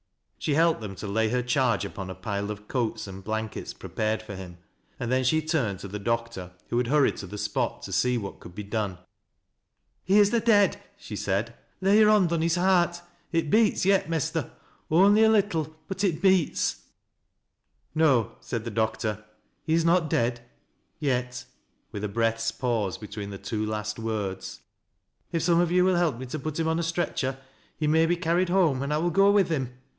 She helped them to lay her charge upon a pile of coats and blankets prepared for him, and then she turned to the doctor who had hurried to the spot to see what could be done. "He is na dead," she said. "Lay yore bond on his heart. It beats yet, Mester, — on'y a little, but it beats." "No," said the doctor, "he is not dead— yet," with u oreath's pause between the two last words. " If some of 70U will help me to put him on a stretcher, he may be carried home, and I will go with him.